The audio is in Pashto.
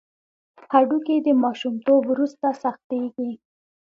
هډوکي د ماشومتوب وروسته سختېږي.